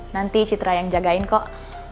nanti citra yang jagain kok